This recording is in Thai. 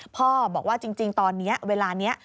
พ่อบอกว่าจริงตอนนี้เวลานี้